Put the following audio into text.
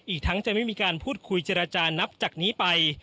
อีกทั้งจะไม่มีการพูดคุยเจรจานับจากนี้ไป